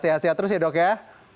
sehat sehat terus ya dok ya